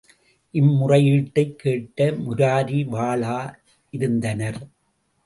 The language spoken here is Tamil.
இம்முறையீட்டைக் கேட்ட முராரி வாளா இருந்தனர்.